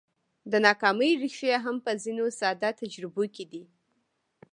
د ناکامۍ ريښې هم په ځينو ساده تجربو کې دي.